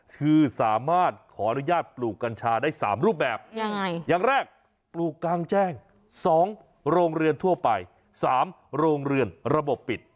คือสามารถขออนุญาตปลูกกัญชาได้๓รูปแบบอย่างแรกปลูกกลางแจ้ง๒โรงเรือนทั่วไป๓โรงเรือนระบบปิด